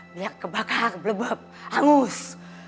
biar kebakar keblebeb hangus